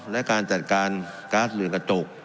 และการจัดการก๊าซเรือนกระจก